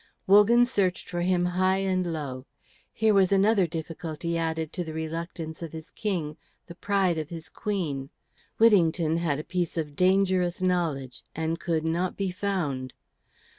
Wogan searched for him high and low. Here was another difficulty added to the reluctance of his King, the pride of his Queen. Whittington had a piece of dangerous knowledge, and could not be found.